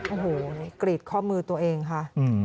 โอ้โหกรีดข้อมือตัวเองค่ะ